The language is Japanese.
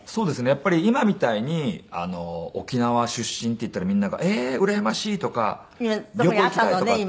やっぱり今みたいに沖縄出身っていったらみんなが「ええーうらやましい」とか旅行行きたいとかって。